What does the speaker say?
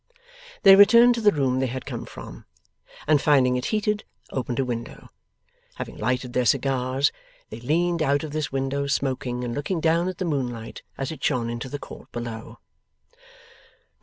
They returned to the room they had come from, and, finding it heated, opened a window. Having lighted their cigars, they leaned out of this window, smoking, and looking down at the moonlight, as it shone into the court below.